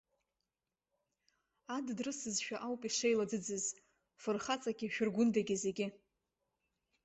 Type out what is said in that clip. Адыд рысызшәа ауп ишеилаӡыӡыз фырхаҵагьы, шәыргәындагьы зегьы.